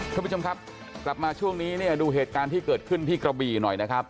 คุณผู้ชมครับกลับมาช่วงนี้เนี่ยดูเหตุการณ์ที่เกิดขึ้นที่กระบี่หน่อยนะครับ